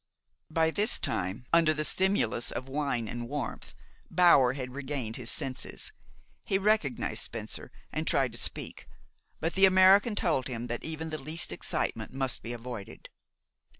By this time, under the stimulus of wine and warmth, Bower had regained his senses. He recognized Spencer, and tried to speak; but the American told him that even the least excitement must be avoided.